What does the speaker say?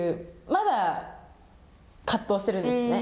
まだ葛藤してるんですね。